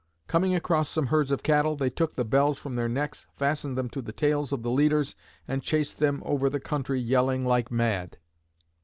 Coming across some herds of cattle, they took the bells from their necks, fastened them to the tails of the leaders, and chased them over the country yelling like mad.